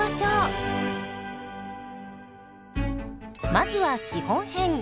まずは基本編。